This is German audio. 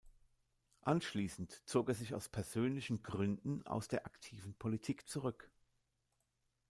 Anschließend zog er sich aus persönlichen Gründen aus der aktiven Politik zurück.